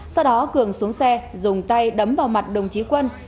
sau đó cường xuống xe dùng tay đấm vào mặt đồng chí quân